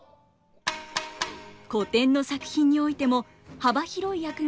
古典の作品においても幅広い役柄で大活躍。